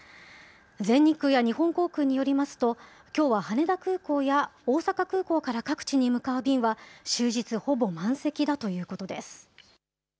全日空や日本航空によりますと、きょうは羽田空港や、大阪空港から各地に向かう便は、終日ほぼ満席だということです。